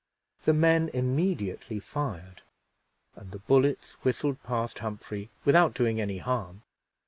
The men immediately fired, and the bullets whistled past Humphrey without doing any harm.